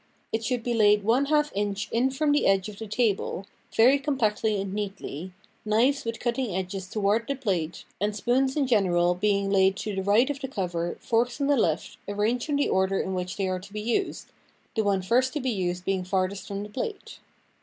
It should be laid one half inch in from the edge of the table, very compactly and neatly, knives with cutting edges toward the plate, and spoons in general being laid to the right of the cover, forks on the left, arranged in the order in which they are to be used, the one first to be used being farthest from the plate.